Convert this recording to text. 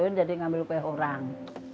jadi saya mengambil kue orang